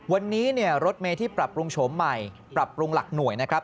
วันนี้เนี่ยรถเมย์ที่ปรับปรุงโฉมใหม่ปรับปรุงหลักหน่วยนะครับ